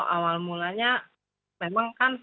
awal mulanya memang kacau